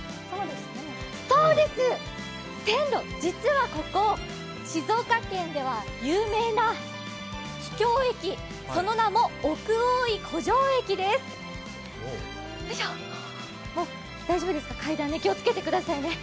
そうです、実はここ、静岡県では有名な秘境駅、その名も奥大井湖上駅です大丈夫ですか、階段気をつけてくださいね。